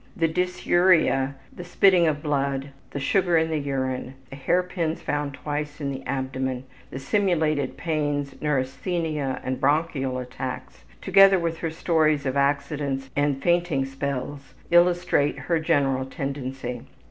The dysuria, the spitting of blood, the sugar in the urine, the hairpins found twice in the abdomen, the simulated pains, neurasthenia, and bronchial attacks, together with her stories of accidents and fainting spells illustrate her general tendency.